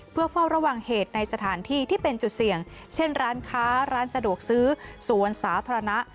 เพื่อเฝ้าระวังเหตุในสถานที่ที่เป็นจุดเสี่ยงเช่นร้านค้าร้านสะดวกซื้อสวนสาธารณะ